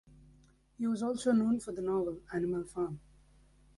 He is also known for the novel "Animal Farm".